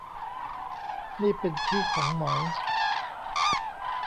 นี่เป็นที่ของหมอย